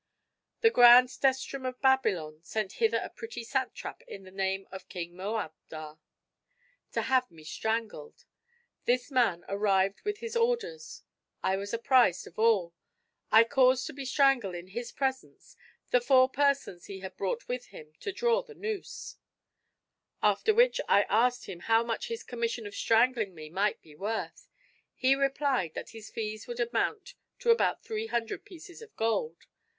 "The grand Desterham of Babylon sent hither a pretty satrap in the name of King Moabdar, to have me strangled. This man arrived with his orders: I was apprised of all; I caused to be strangled in his presence the four persons he had brought with him to draw the noose; after which I asked him how much his commission of strangling me might be worth. He replied, that his fees would amount to about three hundred pieces of gold.